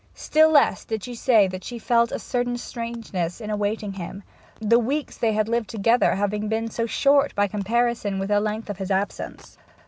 Still less did she say that she felt a certain strangeness in awaiting him, the weeks they had lived together having been so short by comparison with the length of his absence.